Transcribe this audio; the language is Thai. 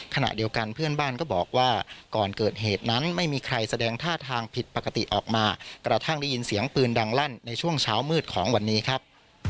ขณะเดียวกันเพื่อนบ้านก็บอกว่าก่อนเกิดเหตุนั้นไม่มีใครแสดงท่าทางผิดปกติออกมากระทั่งได้ยินเสียงปืนดังลั่นในช่วงเช้ามืดของวันนี้ครับ